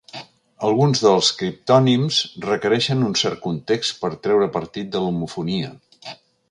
Alguns dels criptònims requereixen un cert context per treure partit de l'homofonia.